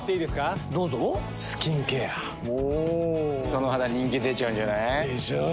その肌人気出ちゃうんじゃない？でしょう。